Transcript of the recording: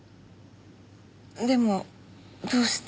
でもどうして？